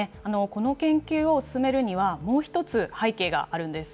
この研究を進めるには、もう一つ、背景があるんです。